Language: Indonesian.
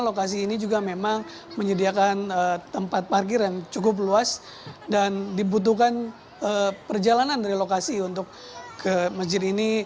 lokasi ini juga memang menyediakan tempat parkir yang cukup luas dan dibutuhkan perjalanan dari lokasi untuk ke masjid ini